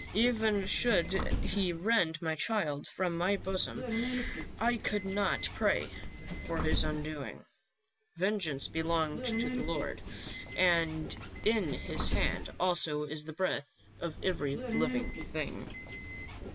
Even should he rend my child from my bosom I could not pray for his undoing. Vengeance belongeth to the Lord, and in his hand also is the breath of every living thing."